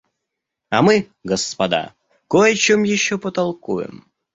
А мы, господа, кой о чем еще потолкуем».